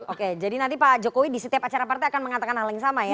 oke jadi nanti pak jokowi di setiap acara partai akan mengatakan hal yang sama ya